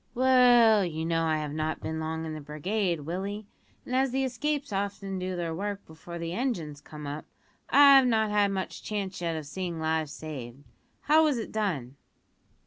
"Well, you know I have not been long in the brigade, Willie, and as the escapes often do their work before the engines come up, I've not had much chance yet of seeing lives saved. How was it done?"